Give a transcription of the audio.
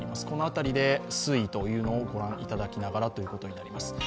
この辺りで推移を御覧いただきながらということになります。